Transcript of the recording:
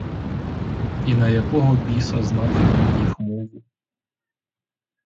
І на якого біса знати мені їх мову?